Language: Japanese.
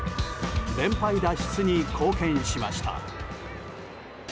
連敗脱出に貢献しました。